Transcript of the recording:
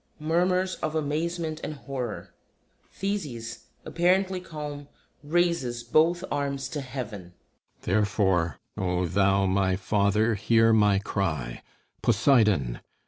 [Murmurs of amazement and horror; THESEUS, apparently calm, raises both arms to heaven.] Therefore, O Thou my Father, hear my cry, Poseidon!